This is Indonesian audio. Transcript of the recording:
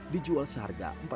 dijual seharga empat puluh rupiah